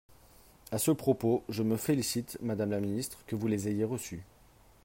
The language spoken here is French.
À ce propos, je me félicite, madame la ministre, que vous les ayez reçues.